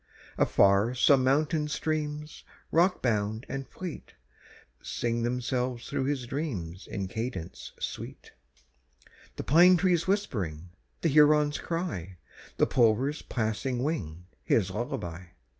Afar some mountain streams, rockbound and fleet, Sing themselves through his dreams in cadence sweet, The pine trees whispering, the heron's cry, The plover's passing wing, his lullaby.